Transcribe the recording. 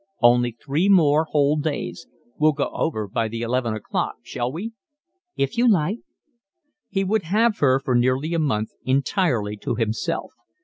"Only three more whole days. We'll go over by the eleven o'clock, shall we?" "If you like." He would have her for nearly a month entirely to himself.